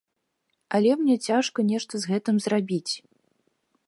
Але мне цяжка нешта з гэтым зрабіць.